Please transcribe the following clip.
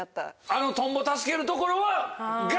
あのトンボ助けるところが。